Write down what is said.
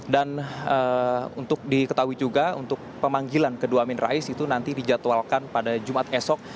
untuk diketahui juga untuk pemanggilan kedua amin rais itu nanti dijadwalkan pada jumat esok